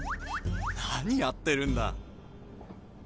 何やってるんだ？